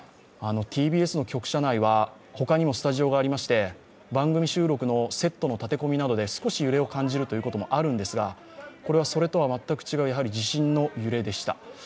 ＴＢＳの局舎内は、ほかにもスタジオがありまして、番組収録のセットの立て込みなどで少し揺れを感じるというのがありますが、これはそれとは全く違う、やはり地震の揺れでした。